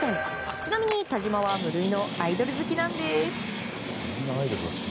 ちなみに田嶋は無類のアイドル好きなんです。